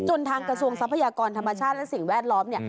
ทางกระทรวงทรัพยากรธรรมชาติและสิ่งแวดล้อม